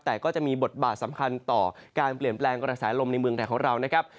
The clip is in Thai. แต่ก็จะมีบทบาทสำคัญต่อการเปลี่ยนแปลงกระแสลมในเมืองไทยของเรานะครับ